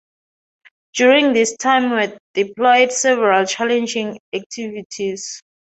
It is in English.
During this time we deployed several challenging activities.